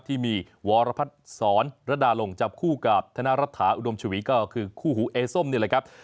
ที่มีวรพัฒน์สอนระดาลงจับคู่กับธนรัฐาอุดมชวีก็คือคู่หูเอส้มนี่แหละครับ